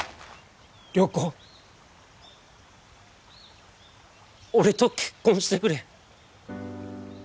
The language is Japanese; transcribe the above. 良子俺と結婚してくれ。